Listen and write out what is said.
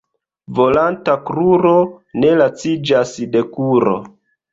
Volanta kruro ne laciĝas de kuro.